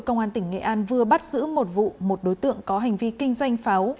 công an tỉnh nghệ an vừa bắt giữ một vụ một đối tượng có hành vi kinh doanh pháo